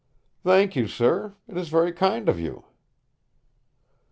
"Thank you, sir. It is very kind of you."